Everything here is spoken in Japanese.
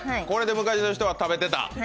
これで昔の人は食べてた。